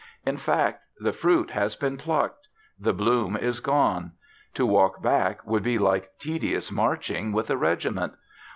In fact, the fruit has been plucked: the bloom is gone; to walk back would be like tedious marching with a regiment.